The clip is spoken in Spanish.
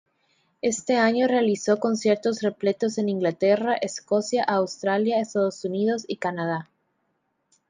Ese año, realizó conciertos repletos en Inglaterra, Escocia, Australia, Estados Unidos y Canadá.